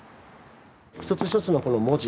一つ一つのこの文字